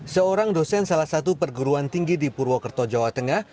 seorang dosen salah satu perguruan tinggi di purwokerto jawa tengah